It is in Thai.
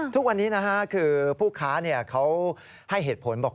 ทุกวันนี้คือผู้ค้าเขาให้เหตุผลบอก